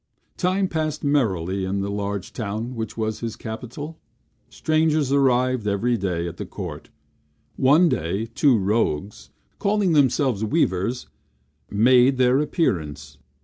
Time passed merrily in the large town which was his capital; strangers arrived every day at the court. One day, two rogues, calling themselves weavers, made their appearance.